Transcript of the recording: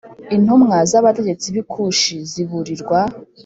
Intumwa z’abategetsi b’i Kushi ziburirwa